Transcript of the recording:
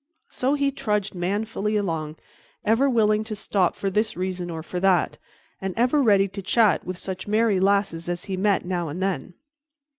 So he trudged manfully along, ever willing to stop for this reason or for that, and ever ready to chat with such merry lasses as he met now and then.